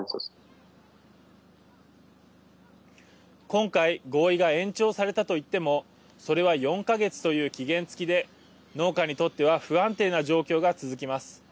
今回合意が延長されたと言ってもそれは４か月という期限付きで農家にとっては不安定な状況が続きます。